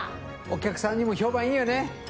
お客さんにも評判いいよね！